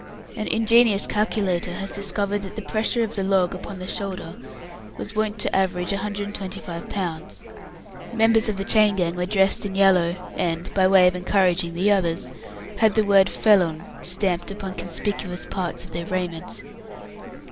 An ingenious calculator had discovered that the pressure of the log upon the shoulder was wont to average 125 lbs. Members of the chain gang were dressed in yellow, and by way of encouraging the others had the word "Felon" stamped upon conspicuous parts of their raiment.